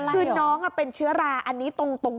คือน้องเป็นเชื้อราอันนี้ตรง